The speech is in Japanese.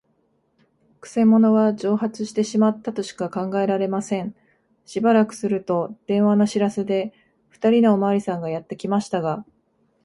くせ者は蒸発してしまったとしか考えられません。しばらくすると、電話の知らせで、ふたりのおまわりさんがやってきましたが、